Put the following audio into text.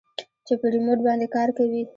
چې په ريموټ باندې کار کوي.